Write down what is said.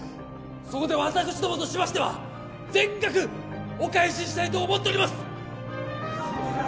そこで私どもとしましては全額お返ししたいと思っております